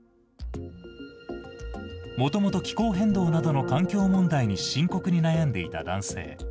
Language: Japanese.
もともと気候変動などの環境問題に深刻に悩んでいた男性。